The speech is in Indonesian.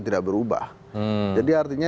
tidak berubah jadi artinya